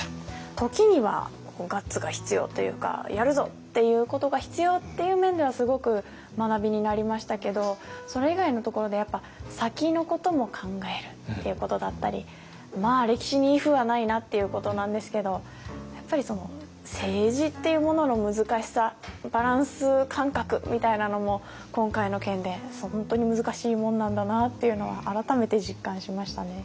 時にはガッツが必要というかやるぞ！っていうことが必要っていう面ではすごく学びになりましたけどそれ以外のところでやっぱ先のことも考えるっていうことだったりまあ歴史にイフはないなっていうことなんですけどやっぱり政治っていうものの難しさバランス感覚みたいなのも今回の件で本当に難しいものなんだなっていうのは改めて実感しましたね。